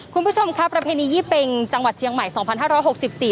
คุณผู้ชมครับประเพณียี่เป็งจังหวัดเชียงใหม่สองพันห้าร้อยหกสิบสี่